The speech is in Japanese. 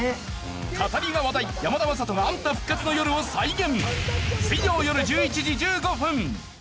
「かたり」が話題山田雅人がアンタ復活の夜を再現。